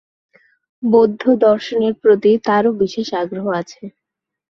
বৌদ্ধ দর্শনের প্রতিও তার বিশেষ আগ্রহ আছে।